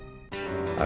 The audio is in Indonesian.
sampai jumpa lagi